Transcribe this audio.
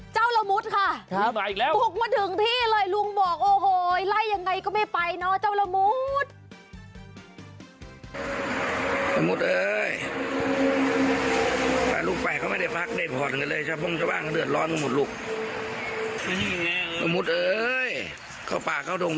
ละมุดค่ะบุกมาถึงที่เลยลุงบอกโอ้โหไล่ยังไงก็ไม่ไปเนาะเจ้าละมุด